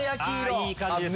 ああいい感じです。